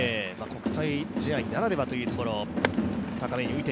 国際試合ならではというところ。